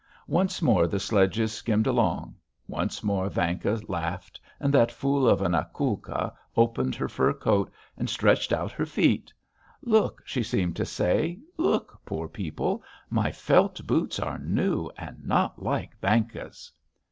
Once more the sledges skimmed along, once more Vanka laughed, and that fool of an Akulka opened her fur coat, and stretched out her feet; look, she seemed to say, look, poor people, my felt boots are new and not like Vanka's.